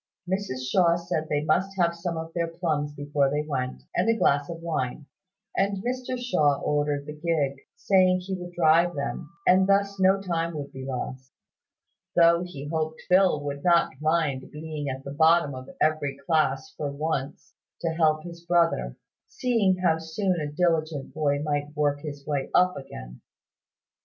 Mrs Shaw said they must have some of her plums before they went, and a glass of wine; and Mr Shaw ordered the gig, saying he would drive them, and thus no time would be lost, though he hoped Phil would not mind being at the bottom of every class for once to help his brother, seeing how soon a diligent boy might work his way up again.